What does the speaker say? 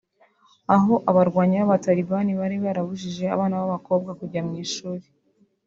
aho abarwanyi b’abatalibani bari barabujije abana b’abakobwa kujya ku ishuri